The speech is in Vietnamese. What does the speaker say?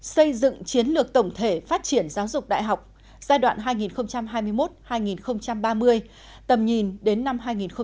xây dựng chiến lược tổng thể phát triển giáo dục đại học giai đoạn hai nghìn hai mươi một hai nghìn ba mươi tầm nhìn đến năm hai nghìn bốn mươi